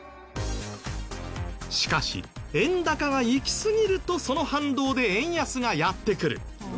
しかし円高が行きすぎるとその反動で円安がやって来る。